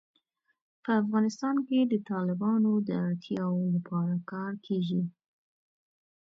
په افغانستان کې د تالابونو د اړتیاوو لپاره کار کېږي.